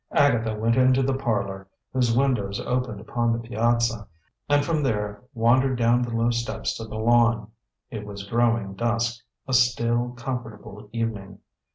Agatha went into the parlor, whose windows opened upon the piazza, and from there wandered down the low steps to the lawn. It was growing dusk, a still, comfortable evening.